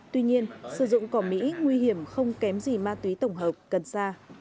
tuy nhiên sử dụng cỏ mỹ nguy hiểm không kém gì ma túy tổng hợp cần sa